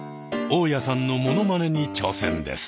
大家さんのものまねに挑戦です。